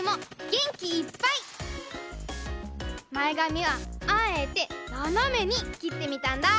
まえがみはあえてななめにきってみたんだ。